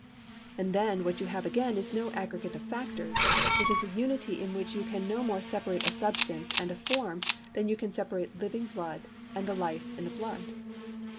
And then what you have again is no aggregate of factors, it is a unity in which you can no more separate a substance and a form than you can separate living blood and the life in the blood.